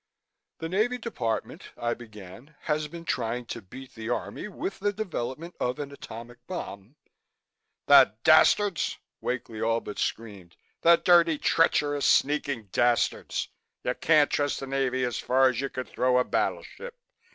"The Navy Department," I began, "has been trying to beat the Army with the development of an atomic bomb " "The dastards!" Wakely all but screamed. "The dirty, treacherous, sneaking dastards! You can't trust the Navy as far as you could throw a battleship.